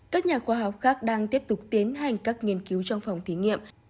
các nhà khoa học khác đang tiếp tục tiến hành các nghiên cứu trong phòng thí nghiệm